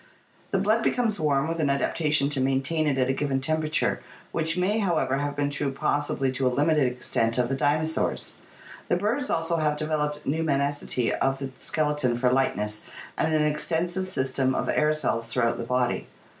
The blood becomes warm, with an adaptation to maintain it at a given temperature, which may, however, have been true possibly to a limited extent of the dinosaurs. The birds also have developed pneumaticity of the skeleton for lightness and an ex tensive system of air cells throughout the body.